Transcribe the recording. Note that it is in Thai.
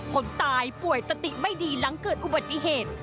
คนตายป่วยสติไม่ดีหลังเกิดอุบัติเหตุ